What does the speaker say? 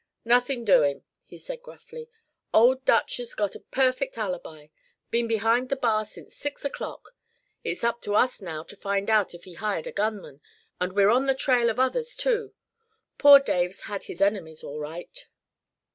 "Nothin' doin'," he said gruffly. "Old Dutch's got a perfect alibi. Been behind the bar since six o'clock. It's up to us now to find out if he hired a gunman; and we're on the trail of others too. Poor Dave had his enemies all right."